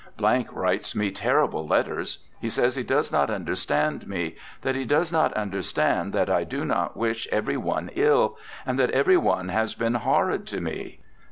writes me terrible letters. He says he does not understand me, that he does not understand that I do not wish every one ill, and that every one has been horrid to me.